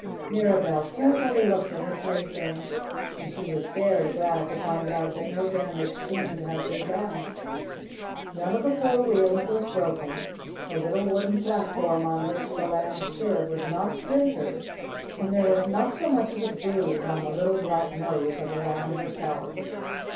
Mirabell carefully looked at her plaything. And she was very glad to find out that no damage seemed to have been done. None of the four wheels was broken, the little wooden platform on which the Lamb stood was not splintered, and there was not so much as a bruise on the little black nose of the Lamb herself.